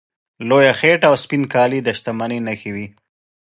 لویه خېټه او سپین کالي د شتمنۍ نښې وې.